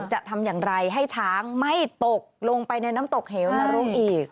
จะทำอย่างไรให้ช้างไม่ตกลงไปในน้ำตกเหวนรกอีก